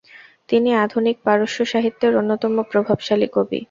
তিনি আধুনিক পারস্য সাহিত্যের অন্যতম প্রভাবশালী কবি।